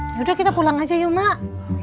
yaudah kita pulang aja yuk mak